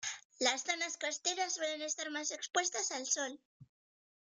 Las zonas costeras suelen estar más expuestas al Sol.